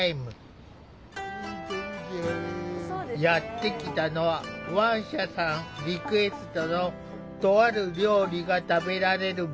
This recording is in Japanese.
やって来たのはワンシャさんリクエストのとある料理が食べられる場所。